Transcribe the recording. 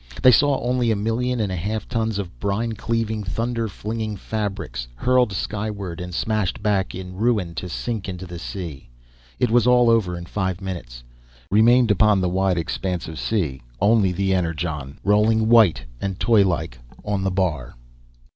They saw only a million and a half tons of brine cleaving, thunder flinging fabrics hurled skyward and smashed back in ruin to sink into the sea. It was all over in five minutes. Remained upon the wide expanse of sea only the Energon, rolling white and toylike on the bar.